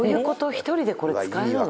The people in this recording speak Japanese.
１人でこれ使えるの？